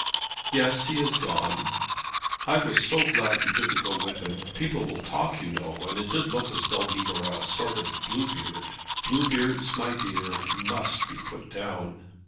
"Yes, he has gone." "I was so glad that you didn't go with him. People will talk, you know, and it did look as though he were a sort of Bluebeard. Bluebeards, my dear, must be put down.